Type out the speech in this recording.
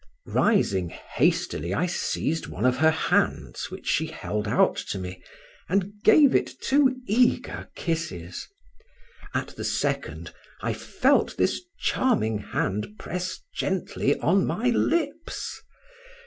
Rising hastily I seized one of her hands, which she held out to me, and gave it two eager kisses; at the second I felt this charming hand press gently on my lips.